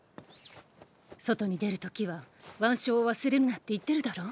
外に出る時は腕章を忘れるなって言ってるだろう？